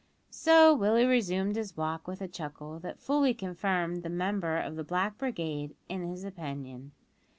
So Willie resumed his walk with a chuckle that fully confirmed the member of the black brigade in his opinion.